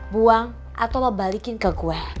buang atau lo balikin ke kue